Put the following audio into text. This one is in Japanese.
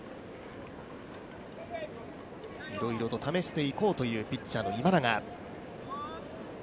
いろいろと試していこうというピッチャーの今永。